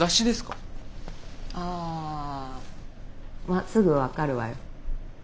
あまあすぐ分かるわよ。